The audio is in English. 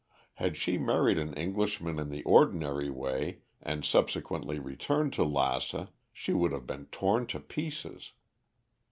"Had she married an Englishman in the ordinary way and subsequently returned to Lassa, she would have been torn to pieces.